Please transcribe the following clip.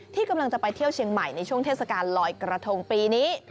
ที่กำลังจะไปเที่ยวเชียงใหม่ในช่วงเทศกาลลอยกระทงปีนี้